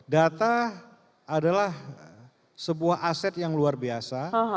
data adalah sebuah aset yang luar biasa